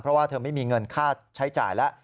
เพราะว่าเธอไม่มีเงินค่าใช้จ่ายแล้ว